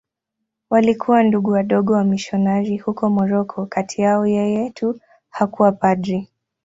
Walikuwa Ndugu Wadogo wamisionari huko Moroko.Kati yao yeye tu hakuwa padri.